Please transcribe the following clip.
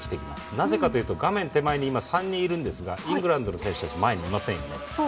なぜかというと画面手前に今、３人いるんですがイングランドの選手たち前にいませんよね。